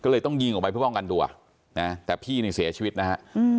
ก็เลยต้องยิงออกไปเพื่อป้องกันตัวนะแต่พี่นี่เสียชีวิตนะฮะ